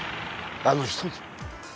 あの人に。